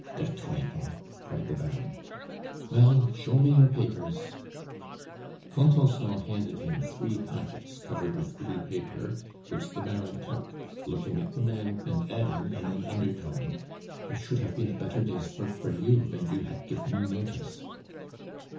"Der Teufel!" cried the Baron. "Well, show me your papers." Contenson handed him three packets covered with blue paper, which the Baron took, looking at the man, and adding in an undertone: "It should hafe been a better day's vork for you ven you had gife me notice."